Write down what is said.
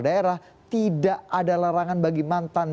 terima kasih banyak